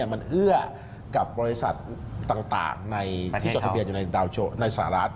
มันเอื้อกับบริษัทต่างที่จดทะเบียนอยู่ในดาวในสหรัฐ